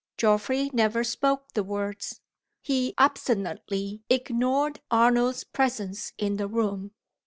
Geoffrey never spoke the words; he obstinately ignored Arnold's presence in the room.